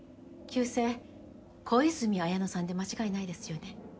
旧姓小泉文乃さんで間違いないですよね？